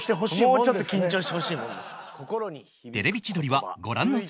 もうちょっと緊張してほしい。